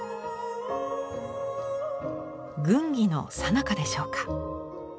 軍議のさなかでしょうか。